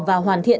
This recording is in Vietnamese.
và hoàn thiện